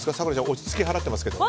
落ち着き払ってますけど。